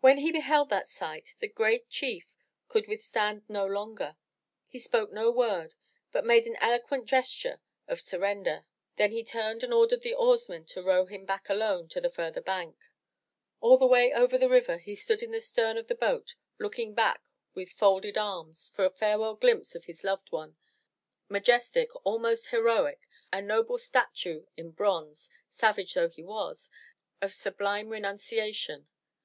When he beheld that sight, the great chief could withstand no longer. He spoke no word, but made an eloquent gesture of surrender. Then he turned and ordered the oarsmen to row him back alone to the further bank. All the way over the river, 379 M Y BOOK HOUSE he stood in the stern of the boat, looking back with folded arms for a farewell glimpse of his loved one, — ^majestic, almost heroic, a noble statue in bronze, savage though he was, of sublime renun ciation.